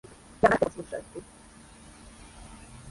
Ја сам рада тебе послушати,